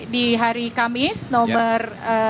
di hari kamis nomor